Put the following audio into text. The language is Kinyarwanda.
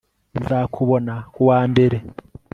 Nzakubona kuwa mbere